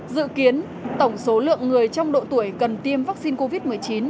dự kiến tổng số lượng người trong độ tuổi cần tiêm vaccine covid một mươi chín